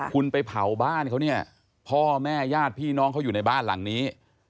คุณไปเผาบ้านเขาเนี่ยพ่อแม่ญาติพี่น้องเขาอยู่ในบ้านหลังนี้